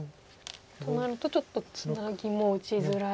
となるとちょっとツナギも打ちづらいと。